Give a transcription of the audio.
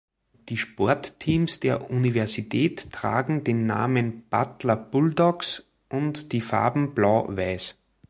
Die Sportteams der Universität tragen den Namen "Butler Bulldogs" und die Farben blau-weiß.